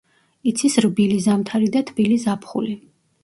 იცის რბილი ზამთარი და თბილი ზაფხული.